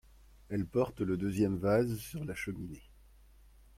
Elle porte le deuxième vase sur la cheminée.